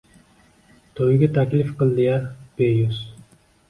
Toʻyiga taklif qildi-ya, beyuz